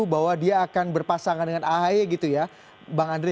bahwa dia akan berpasangan dengan ahy gitu ya bang andre